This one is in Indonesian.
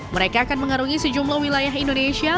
mereka akan mengarungi sejumlah wilayah indonesia